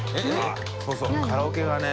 そうそうカラオケがね。）